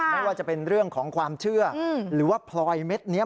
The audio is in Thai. ไม่ว่าจะเป็นเรื่องของความเชื่อหรือว่าพลอยเม็ดนี้